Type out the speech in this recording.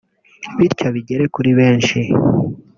bityo bigere kuri benshi